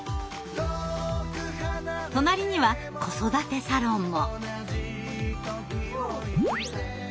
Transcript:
隣には子育てサロンも。